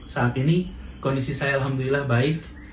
saat ini kondisi saya alhamdulillah baik